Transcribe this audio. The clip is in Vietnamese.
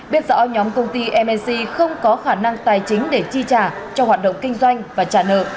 biết rõ nhóm công ty mc không có khả năng tài chính để chi trả cho hoạt động kinh doanh và trả nợ